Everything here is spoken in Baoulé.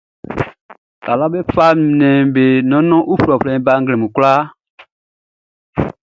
Taluaʼm be fa nnɛnʼm be nɔnnɔn uflɛuflɛʼn be ba nglɛmun kwlaa.